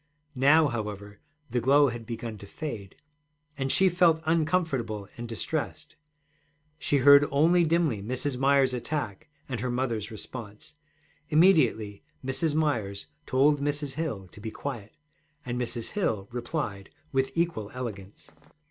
Now, however, the glow had begun to fade, and she felt uncomfortable and distressed. She heard only dimly Mrs. Myers's attack and her mother's response. Immediately Mrs. Myers told Mrs. Hill to be quiet, and Mrs. Hill replied with equal elegance.